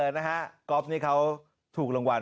ช่วยแน่ท่าน